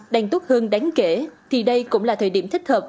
đang tốt hơn đáng kể thì đây cũng là thời điểm thích hợp